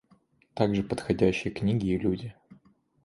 Также подходящие книги и люди.